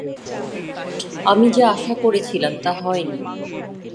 আমি যা আশা করেছিলাম তা হয়নি।